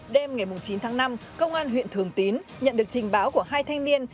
đêm ngày chín tháng năm công an huyện thường tín nhận được trình báo của hai thanh niên